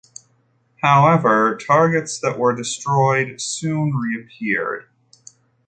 However, targets that were destroyed soon re-appeared.